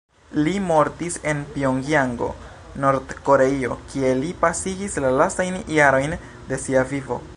Li mortis en Pjongjango, Nord-Koreio kie li pasigis la lastajn jarojn de sia vivo.